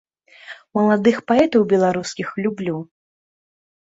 Маладых паэтаў беларускіх люблю.